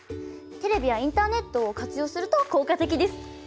テレビやインターネットを活用すると効果的です。